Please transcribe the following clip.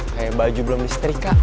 kayak baju belum listrik kah